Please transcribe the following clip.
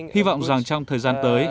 hy vọng rằng trong thời gian tới